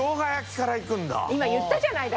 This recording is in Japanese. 今言ったじゃない！